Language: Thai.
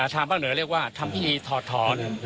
ทางภาคเหนือเรียกว่าธรรมพิธีถอดถอน